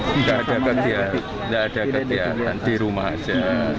tidak ada ketiakan tidak ada ketiakan di rumah saja